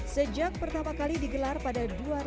sejak pertama kali digelar pada dua ribu dua